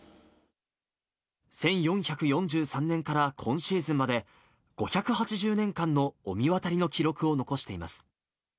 １４４３年から今シーズンまで５８０年間の御神渡りの記録を残しています。